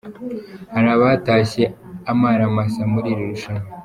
Hari abatashye amaramasa muri iri rushanwa.